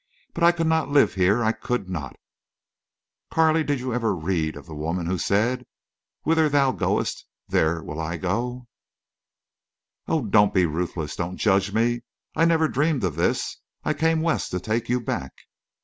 "But I could not live here—I could not." "Carley, did you ever read of the woman who said, 'Whither thou goest, there will I go'..." "Oh, don't be ruthless! Don't judge me.... I never dreamed of this. I came West to take you back."